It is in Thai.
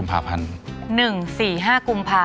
๑๔๕กุมภาพันธุ์